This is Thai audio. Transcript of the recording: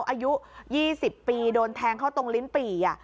อายุ๒๐ปีโดนแทงเข้าตรงลิ้นปี่